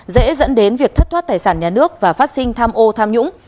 dễ dẫn đến việc thất thoát tài sản nhà nước và phát sinh tham ô tham nhũng